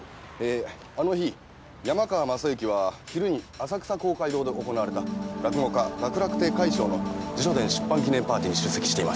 あの日山川雅行は昼に浅草公会堂で行われた落語家楽々亭快笑の自叙伝出版記念パーティーに出席しています。